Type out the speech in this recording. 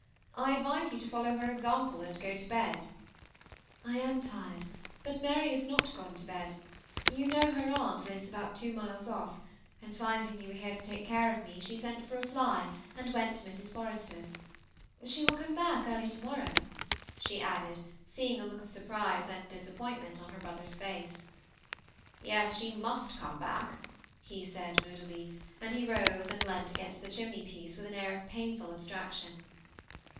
I advise you to follow her example, and go to bed." <* I am tired ; but Mary is not gone to bed ; you know her aunt lives about two miles off: and finding yon were here to take care of me, she sent for a fiy, and went to Mrs. Forrester's. She will come back early to morrow,'' she added, seeing a look of surprise and disappointment on her brother's fistce. '^Yes, she mtist come back," he said, moodily; and he rose and leaned against the chimney piece with an air of painful abstraction.